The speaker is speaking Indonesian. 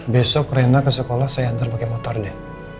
besok rena ke sekolah saya antar pakai motor deh